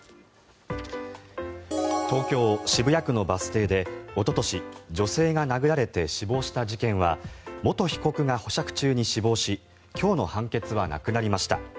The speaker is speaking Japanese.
東京・渋谷区のバス停でおととし、女性が殴られて死亡した事件は元被告が保釈中に死亡し今日の判決はなくなりました。